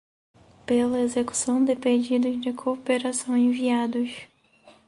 pela execução de pedidos de cooperação enviados